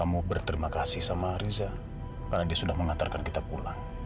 mau berterima kasih sama riza karena dia sudah mengantarkan kita pulang